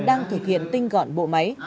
đang thực hiện tinh gọn bộ máy